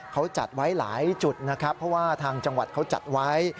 เขาจัดไว้หลายจุดนะครับเพราะว่าทางจังหวัดเขาจัดไว้